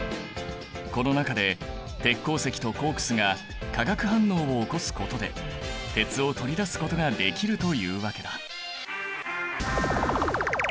この中で鉄鉱石とコークスが化学反応を起こすことで鉄を取り出すことができるというわけだ。